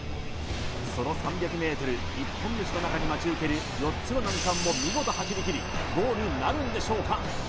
その３００ｍ一本道の中に待ち受ける４つの難関も見事走り切りゴールなるんでしょうか？